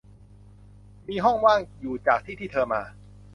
มีห้องว่างอยู่จากที่ที่เธอมา